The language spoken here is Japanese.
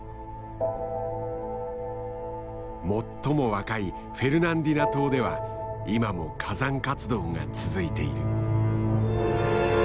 最も若いフェルナンディナ島では今も火山活動が続いている。